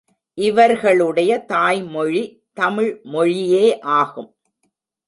இவர்களுடைய தாய்மொழி தமிழ் மொழியே ஆகும்.